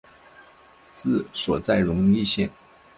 治所在荣懿县。